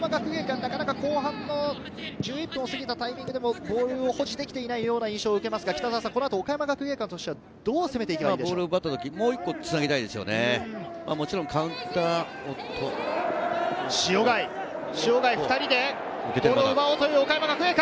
なかなか後半の１１分を過ぎたタイミングでもボールを保持できていないような印象を受けますが、どう攻めて行けばいいですか？